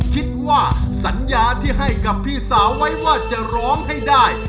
คิดว่าสัญญาที่ให้กับพี่สาวไว้ว่าจะร้องให้ได้